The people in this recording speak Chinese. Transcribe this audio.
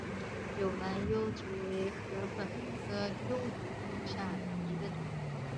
有芒筱竹为禾本科筱竹属下的一个种。